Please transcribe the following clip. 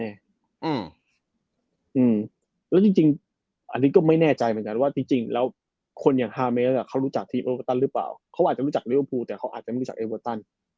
แล้วจริงอันนี้ก็ไม่แน่ใจเหมือนกันว่าจริงแล้วคนอย่างฮาเมสอ่ะเขารู้จักทีมโอเวอร์ตันหรือเปล่าเขาอาจจะรู้จักลิเวอร์พูลแต่เขาอาจจะไม่รู้จักเอเวอร์ตัน